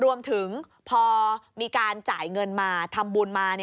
รวมถึงพอมีการจ่ายเงินมาทำบุญมา